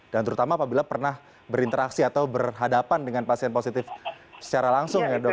dan terutama apabila pernah berinteraksi atau berhadapan dengan pasien positif secara langsung ya dok